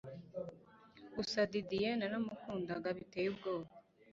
gusa Didier naramukundaga biteye ubwoba